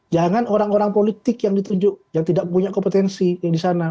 jangan orang orang politik yang ditunjuk yang tidak punya kompetensi yang di sana